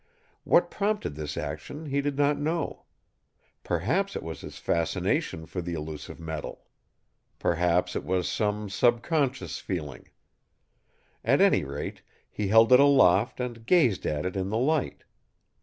What prompted this action he did not know. Perhaps it was his fascination for the elusive metal. Perhaps it was some subconscious feeling. At any rate, he held it aloft and gazed at it in the light.